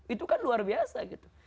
itu kan luar biasa gitu